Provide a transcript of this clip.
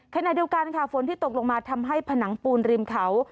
ขณะเดียวกันค่ะฝนที่ตกลงมาทำให้ผนังปูนริมเขา